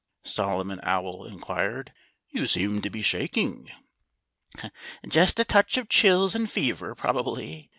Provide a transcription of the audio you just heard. Solomon Owl inquired. "You seem to be shaking." "Just a touch of chills and fever, probably!"